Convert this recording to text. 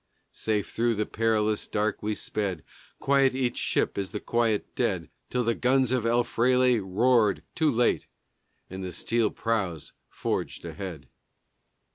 Safe through the perilous dark we sped, Quiet each ship as the quiet dead, Till the guns of El Fraile roared too late, And the steel prows forged ahead.